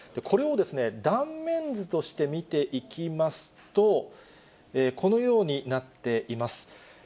これを、断面図として見ていきますと、このようになっています。